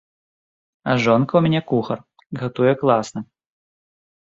А жонка ў мяне кухар, гатуе класна.